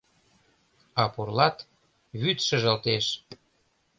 А пурлат — вӱд шыжалтеш!